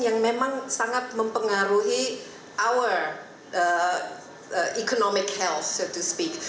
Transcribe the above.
yang memang sangat mempengaruhi hour economic health i to speak